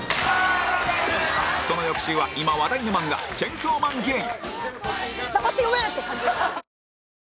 その翌週は今話題の漫画チェンソーマン芸人